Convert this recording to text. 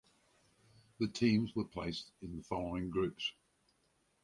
The teams were placed in the following groups.